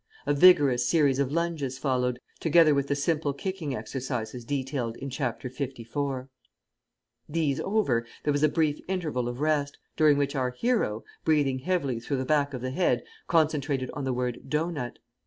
A vigorous series of lunges followed, together with the simple kicking exercises detailed in chapter LIV. These over, there was a brief interval of rest, during which our hero, breathing heavily through the back of the head, concentrated on the word "dough nut."